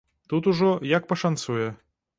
Тут ужо, як пашанцуе.